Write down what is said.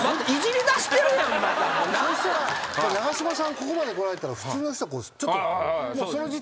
長嶋さんここまで来られたら普通の人はちょっと。